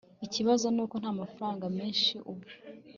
ikibazo nuko ntamafaranga menshi ubu